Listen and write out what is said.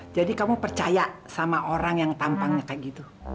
jadi kamu percaya sama orang yang tampangnya kayak gitu